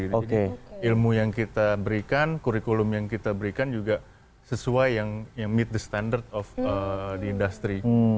jadi ilmu yang kita berikan kurikulum yang kita berikan juga sesuai yang meet the standard of di industri